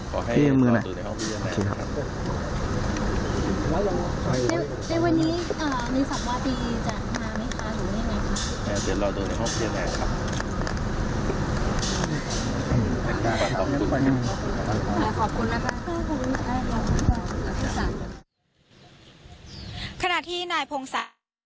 ขอบคุณนะคะ